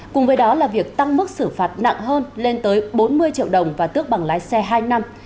cùng với đó là việc tăng mức xử phạt nặng hơn lên tới bốn mươi triệu đồng và tước bằng lái xe hai năm